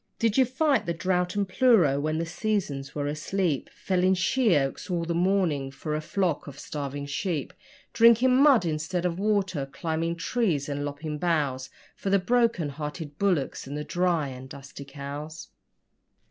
Did you fight the drought and pleuro when the 'seasons' were asleep, Felling sheoaks all the morning for a flock of starving sheep, Drinking mud instead of water climbing trees and lopping boughs For the broken hearted bullocks and the dry and dusty cows?